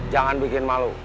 jangan bikin malu